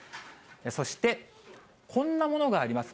そして、こんなものがあります。